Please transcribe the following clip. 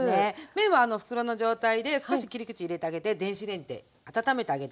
麺は袋の状態で少し切り口入れてあげて電子レンジで温めてあげて下さい。